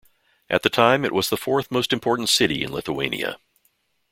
At the time it was the fourth most important city in Lithuania.